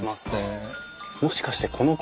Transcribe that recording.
もしかしてこの子。